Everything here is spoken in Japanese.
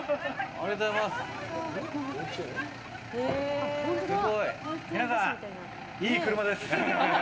ありがとうございます。